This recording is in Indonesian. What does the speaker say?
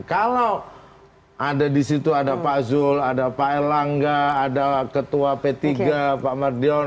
kalau ada di situ ada pak zul ada pak erlangga ada ketua p tiga pak mardion